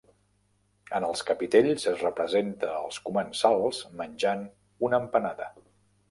En els capitells es representa als comensals menjant una empanada.